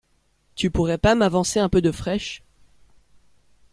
tu pourrais pas m’avancer un peu de fraîche ?